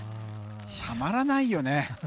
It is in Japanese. たまらないよね。